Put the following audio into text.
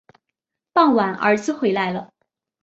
傍晚儿子回来了